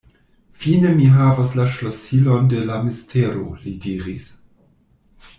Fine mi havos la ŝlosilon de la mistero, li diris.